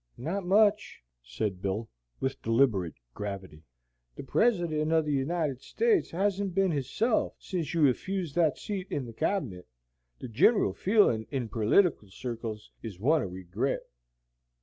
"Not much," said Bill, with deliberate gravity. "The President o' the United States hezn't bin hisself sens you refoosed that seat in the Cabinet. The ginral feelin' in perlitical circles is one o' regret."